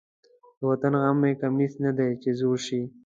د وطن غم مې کمیس نه دی چې زوړ شي.